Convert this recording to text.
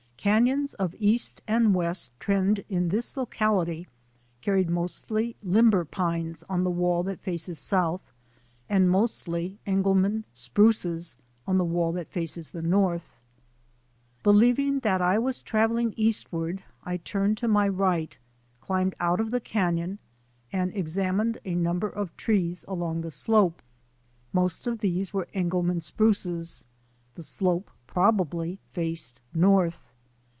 Canons of east and west trend in this locality carried mostly limber pines on the wall that fares south and mostly Engelmann spruces on the wall that faces the north. Believing that I was travel ling eastward I turned to my right, climbed out of the canon, and examined a number of trees along the slope. Most of these were Engelmann spruces. The slope probably faced north.